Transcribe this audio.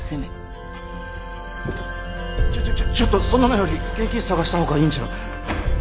ちょちょちょちょっとそんなのより現金探したほうがいいんじゃ。